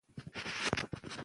که ژبه وي نو خوند نه پټیږي.